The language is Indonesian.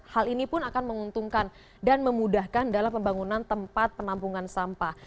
hal ini pun akan menguntungkan dan memudahkan dalam pembangunan tempat penampungan sampah